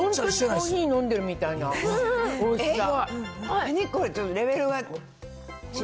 コーヒー飲んでるみたいなおいしさ。